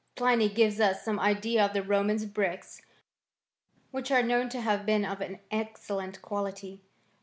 Pliny gives us some idea of the Roman bricks, which are known to have been of an excellent quality.